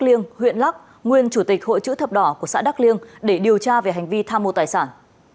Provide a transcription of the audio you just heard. liêng huyện lắc nguyên chủ tịch hội chữ thập đỏ của xã đắc liêng để điều tra về hành vi tham mô tài sản